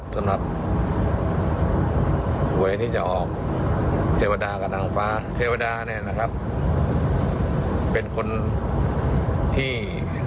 สำหรับหวยที่จะออกเทวดากับนางฟ้าเทวดาเนี่ยนะครับเป็นคนที่